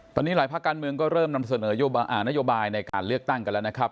ตอนนี้หลายภาคการเมืองก็เริ่มนำเสนอนโยบายในการเลือกตั้งกันแล้วนะครับ